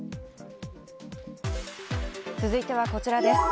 続いてはこちらです。